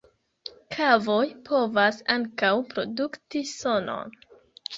Kavoj povas ankaŭ produkti sonon.